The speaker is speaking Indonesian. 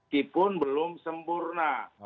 kipun belum sempurna